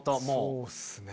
そうっすね。